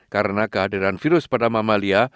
karena kehadiran virus pada mamalia